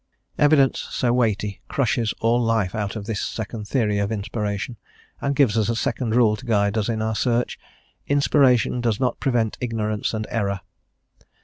Evidence so weighty crushes all life out of this second theory of inspiration, and gives us a second rule to guide us in our search: "Inspiration does not prevent ignorance and error."